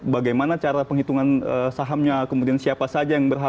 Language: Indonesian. bagaimana cara penghitungan sahamnya kemudian siapa saja yang berhasil